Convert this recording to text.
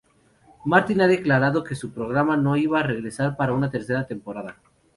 Martin ha declarado que su programa no iba a regresar para una tercera temporada.